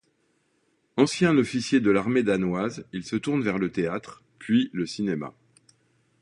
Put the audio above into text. Ancien officier de l'armée danoise, il se tourne vers le théâtre, puis le cinéma.